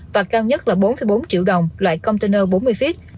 và cao nhất là bốn bốn triệu đồng loại container bốn mươi feet